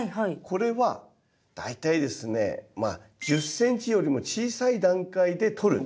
これは大体ですね１０ｃｍよりも小さい段階で取る。